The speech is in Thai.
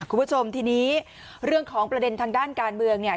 คุณผู้ชมทีนี้เรื่องของประเด็นทางด้านการเมืองเนี่ย